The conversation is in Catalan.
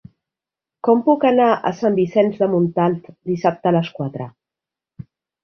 Com puc anar a Sant Vicenç de Montalt dissabte a les quatre?